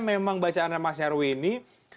memang bacaannya mas nyarwi ini